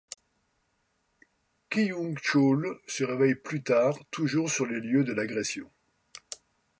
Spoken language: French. Kyung-chul se réveille plus tard, toujours sur les lieux de l'agression.